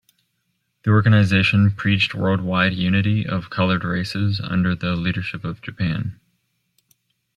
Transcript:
The organization preached worldwide unity of colored races under the leadership of Japan.